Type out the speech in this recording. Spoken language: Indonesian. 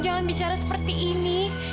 jangan bicara seperti ini